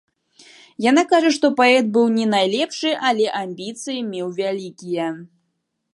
Яна кажа, што паэт быў не найлепшы, але амбіцыі меў вялікія.